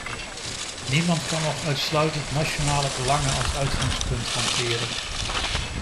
Niemand kan nog uitsluitend nationale belangen als uitgangspunt hanteren.